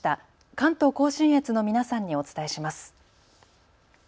関東甲信越の皆さんにお伝えします。